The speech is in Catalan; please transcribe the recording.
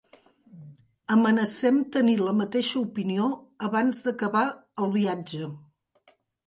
Amenacem tenir la mateixa opinió abans d'acabar el viatge.